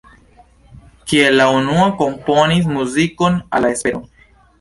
Kiel la unua komponis muzikon al La Espero.